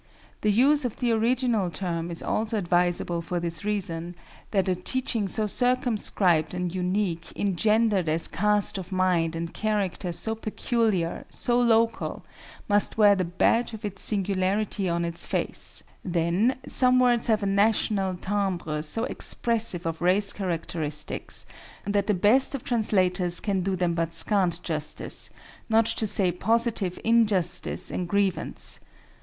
The use of the original term is also advisable for this reason, that a teaching so circumscribed and unique, engendering a cast of mind and character so peculiar, so local, must wear the badge of its singularity on its face; then, some words have a national timbre so expressive of race characteristics that the best of translators can do them but scant justice, not to say positive injustice and grievance.